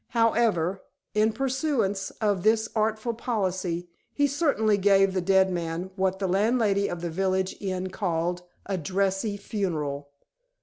However, in pursuance of this artful policy, he certainly gave the dead man, what the landlady of the village inn called, "a dressy funeral."